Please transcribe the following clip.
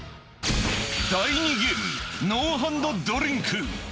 第２ゲーム、ノーハンドドリンク。